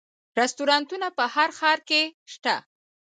رستورانتونه په هر ښار کې شته